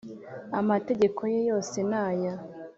amategeko ye yose naya